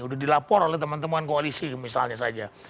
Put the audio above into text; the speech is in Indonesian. sudah dilapor oleh teman teman koalisi misalnya saja